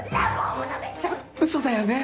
嘘だよね？